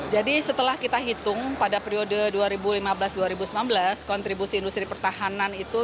jadi setelah kita hitung pada periode dua ribu lima belas dua ribu sembilan belas kontribusi industri pertahanan itu